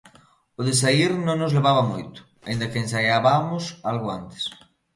O de saír non nos levaba moito, aínda que ensaiabamos algo antes.